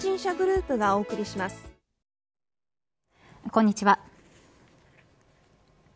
こんにちは。